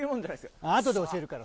あとで教えるから。